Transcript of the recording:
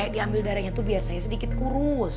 dia ambil darahnya tuh biasanya sedikit kurus